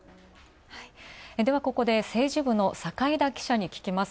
ではここで政治部の坂井田記者に聴きます。